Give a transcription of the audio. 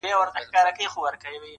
او مشرانو په سطحه